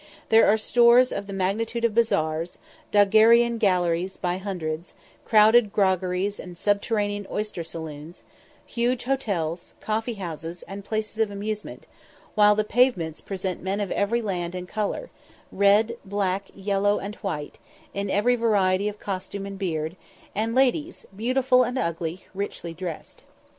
There are stores of the magnitude of bazaars, "daguerrean galleries" by hundreds, crowded groggeries and subterranean oyster saloons, huge hotels, coffee houses, and places of amusement; while the pavements present men of every land and colour, red, black, yellow, and white, in every variety of costume and beard, and ladies, beautiful and ugly, richly dressed.